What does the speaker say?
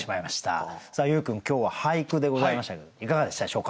優君今日は俳句でございましたけれどもいかがでしたでしょうか？